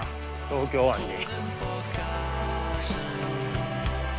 東京湾に。